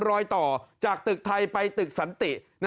รอยต่อจากตึกไทยไปตึกสันติ